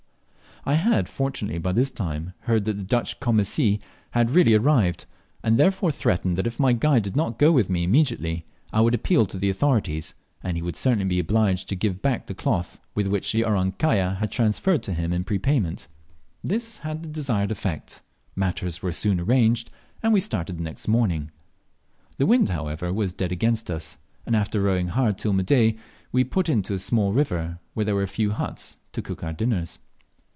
I had, fortunately, by this time heard that the Dutch "Commissie" had really arrived, and therefore threatened that if my guide did not go with me immediately, I would appeal to the authorities, and he would certainly be obliged to gig a back the cloth which the "Orang kaya" had transferred to him in prepayment. This had the desired effect; matters were soon arranged, and we started the next morning. The wind, however, was dead against us, and after rowing hard till midday we put in to a small river where there were few huts, to cook our dinners.